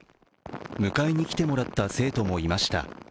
迎えに来てもらった生徒もいました。